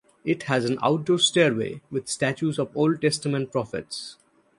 It has an outdoor stairway with statues of Old Testament prophets.